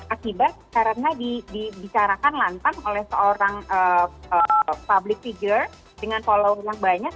akibat karena dibicarakan lantang oleh seorang public figure dengan follower yang banyak